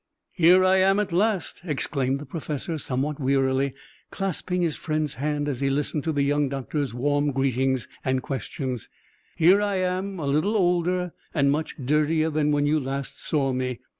"Here I am at last!" exclaimed the professor, somewhat wearily, clasping his friend's hand as he listened to the young doctor's warm greetings and questions. "Here I am a little older, and much dirtier than when you last saw me!"